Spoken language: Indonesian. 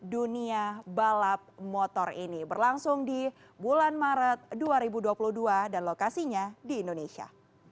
dunia balap motor ini berlangsung di bulan maret dua ribu dua puluh dua dan lokasinya di indonesia